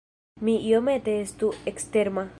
Mi iomete estu eksterma.